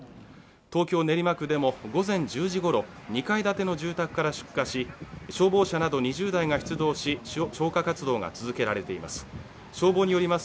東京・練馬区でも午前１０時ごろ、２階建ての住宅から出火し、消防車など２０台が出動し消火活動が続けられています。